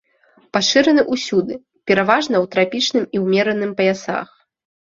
Пашыраны ўсюды, пераважна ў трапічным і ўмераным паясах.